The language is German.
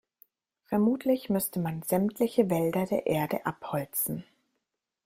Vermutlich müsste man sämtliche Wälder der Erde abholzen.